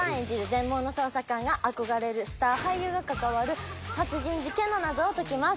全盲の捜査官が憧れるスター俳優が関わる殺人事件の謎を解きます